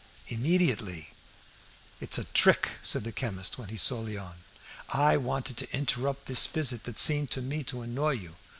"Immediately." "It's a trick," said the chemist, when he saw Léon. "I wanted to interrupt this visit, that seemed to me to annoy you.